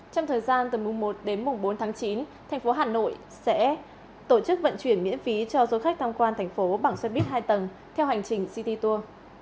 trong thời gian từ mùng một đến mùng bốn tháng chín thành phố hà nội sẽ tổ chức vận chuyển miễn phí cho du khách tham quan thành phố bằng xe buýt hai tầng theo hành trình city tour